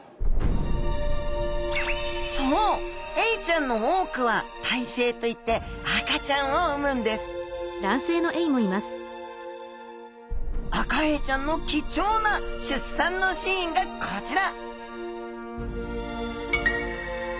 そうエイちゃんの多くは胎生といって赤ちゃんを産むんですアカエイちゃんの貴重な出産のシーンがこちら！